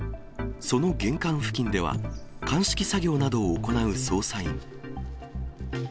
その玄関付近では、鑑識作業などを行う捜査員。